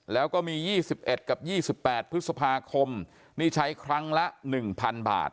แล้วก็มียี่สิบเอ็ดกับยี่สิบแปดพฤษภาคมนี่ใช้ครั้งละหนึ่งพันบาท